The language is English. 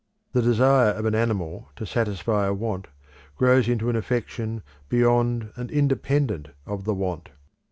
The desire of an animal to satisfy a want grows into an affection beyond and independent of the want.